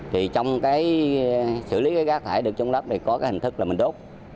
trong xử lý rác thải được trôn lấp có hình thức là mình đốt